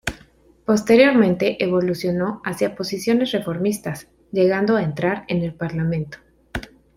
Posteriormente evolucionó hacia posiciones reformistas, llegando a entrar en el Parlamento.